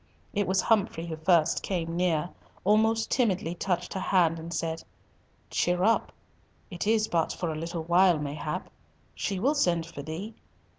It was Humfrey who first came near, almost timidly touched her hand, and said, "Cheer up. It is but for a little while, mayhap. She will send for thee.